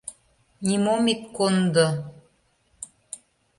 Нимом ит кондо...